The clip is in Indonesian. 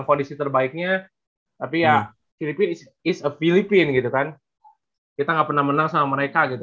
kondisi terbaiknya tapi ya is a filipina gitu kan kita nggak pernah menang sama mereka gitu